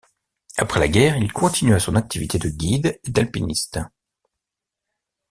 Après la guerre, il continua son activité de guide et d'alpiniste.